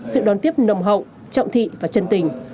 sự đón tiếp nồng hậu trọng thị và chân tình